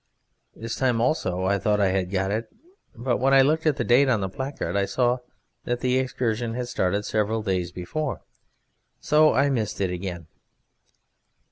This time also I thought I had got it, but when I looked at the date on the placard I saw that the excursion had started several days before, so I missed it again.